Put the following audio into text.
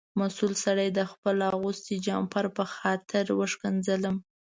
مسؤل سړي د خپل اغوستي جمپر په خاطر وښکنځلم.